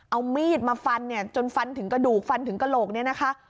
เอามีดมาฟันเนี่ยจนฟันถึงกระดูกฟันถึงกระโหลกเนี่ยนะคะ